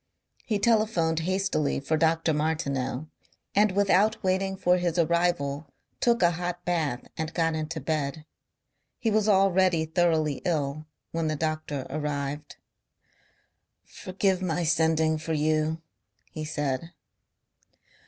He telephoned hastily for Dr. Martineau and without waiting for his arrival took a hot bath and got into bed. He was already thoroughly ill when the doctor arrived. "Forgive my sending for you," he said.